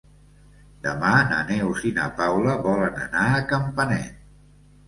Demà na Neus i na Paula volen anar a Campanet.